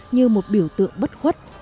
như một biểu tượng bất khuất